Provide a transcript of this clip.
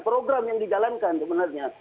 program yang dijalankan sebenarnya